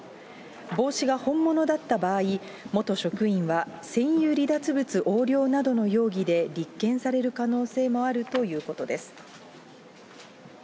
帽子が本物だった場合、元職員は、占有離脱物横領などの容疑で立件される可能性もあるということです。